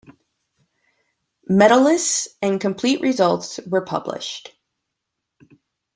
Medalists and complete results were published.